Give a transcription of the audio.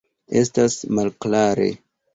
Estas malklare.